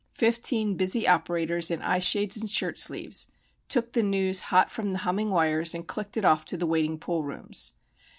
Fifteen busy operators in eye shades and shirt sleeves took the news hot from the humming wires and clicked it off to the waiting pool rooms.